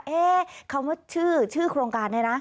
คำว่าชื่อชื่อโครงการนี้นะ